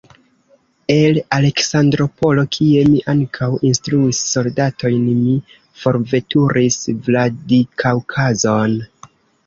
El Aleksandropolo, kie mi ankaŭ instruis soldatojn, mi forveturis Vladikaŭkazon.